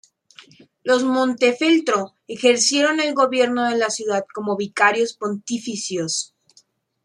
Los Montefeltro ejercieron el gobierno de la ciudad como vicarios pontificios.